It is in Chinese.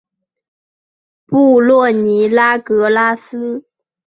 布洛尼拉格拉斯。